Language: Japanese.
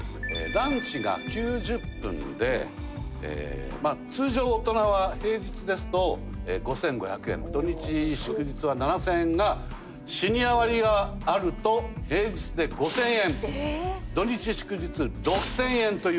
ランチが９０分で通常大人は平日ですと５５００円土日・祝日は７０００円がシニア割があると平日で５０００円土日・祝日６０００円というね